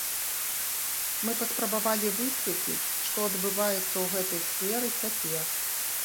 Мы паспрабавалі высветліць, што адбываецца ў гэтай сферы цяпер.